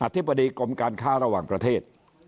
ธิบดีกรมการค้าระหว่างประเทศ